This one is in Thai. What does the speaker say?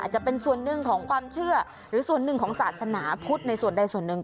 จะเป็นส่วนหนึ่งของความเชื่อหรือส่วนหนึ่งของศาสนาพุทธในส่วนใดส่วนหนึ่ง